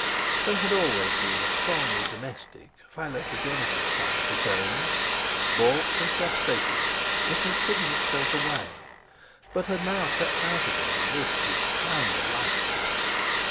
There had always been a strongly domestic, philoprogenitive side to Soames; baulked and frustrated, it had hidden itself away, but now had crept out again in this his "prime of life."